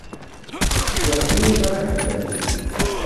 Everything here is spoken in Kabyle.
Werǧin i ẓriɣ ḥedd am kemm.